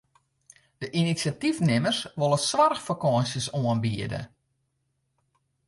De inisjatyfnimmers wolle soarchfakânsjes oanbiede.